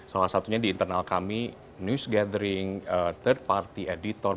salah satunya di internal kami news gathering third party editor